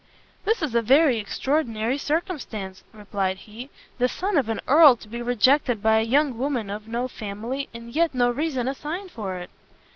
"This is a very extraordinary circumstance!" replied he; "the son of an earl to be rejected by a young woman of no family, and yet no reason assigned for it!"